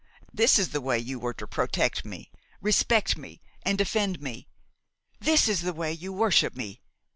This is the way you were to protect me, respect me and defend me! This is the way you worship me!